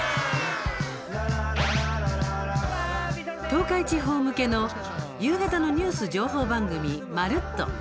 東海地方向けの夕方のニュース情報番組「まるっと！」。